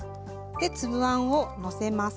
粒あんをのせます。